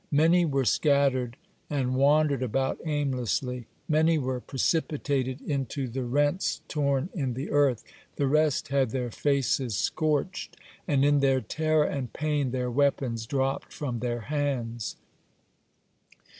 Many were scattered and wandered about aimlessly; many were precipitated into the rents torn in the earth, the rest had their faces scorched, and in their terror and pain their weapons dropped from their hands.